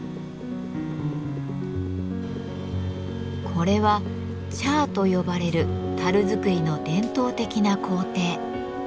これは「チャー」と呼ばれる樽作りの伝統的な工程。